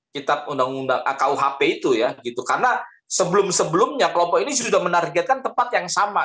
kitab undang undang kuhp itu ya karena sebelum sebelumnya kelompok ini sudah menargetkan tempat yang sama